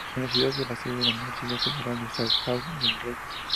La ciudad es la sede de la Universidad Federal de São João del-Rei.